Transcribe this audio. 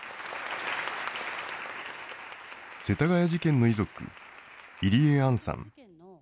世田谷事件の遺族、入江杏さん。